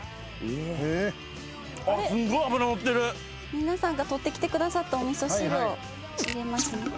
皆さんがとってきてくださったお味噌汁を入れます。